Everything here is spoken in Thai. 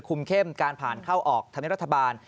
เข้มการผ่านเข้าออกธรรมเนียบรัฐบาล